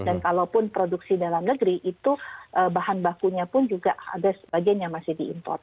dan kalaupun produksi dalam negeri itu bahan bakunya pun juga ada sebagian yang masih diimport